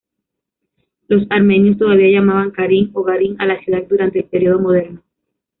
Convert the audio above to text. Los armenios todavía llamaban "Karin" o "Garin" a la ciudad durante el período moderno.